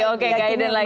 oke gak hidden lagi